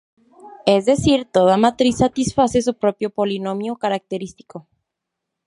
Es decir, toda matriz satisface su propio polinomio característico.